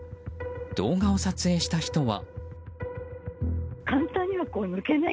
動画を撮影した人は。